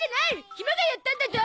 ひまがやったんだゾ！